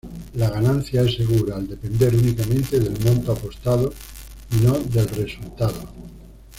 La ganancia es segura, al depender únicamente del monto apostado, y no del resultado.